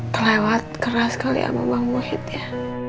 kelewat keras kali sama bang muhid ya